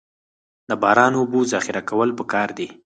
د باران اوبو ذخیره کول پکار دي